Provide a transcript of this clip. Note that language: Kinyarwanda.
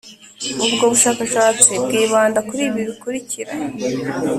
Ubwo bushakashatsi bwibanda kuri ibi bikurikira